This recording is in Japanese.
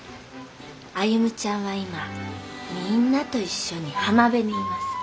歩ちゃんは今みんなと一緒に浜辺にいます。